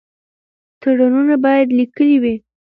تړونونه باید لیکلي وي.